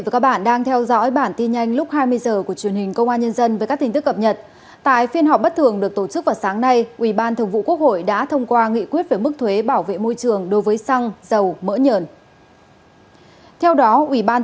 cảm ơn các bạn đã theo dõi